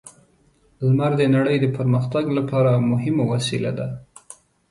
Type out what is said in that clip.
لمر د نړۍ د پرمختګ لپاره مهمه وسیله ده.